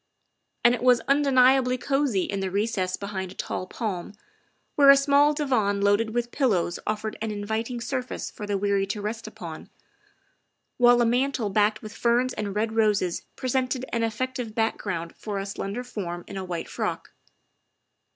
'' And it was undeniably cosey in the recess behind a tall palm, where a small divan loaded with pillows offered an inviting surface for the weary to rest upon, while a mantel banked with ferns and red roses pre sented an effective background for a slender form in a white frock.